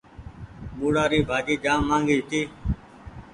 موُڙآ ري ڀآجي جآم ماگي هيتي۔